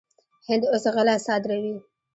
هند اوس غله صادروي.